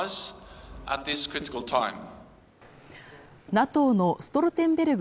ＮＡＴＯのストルテンベルグ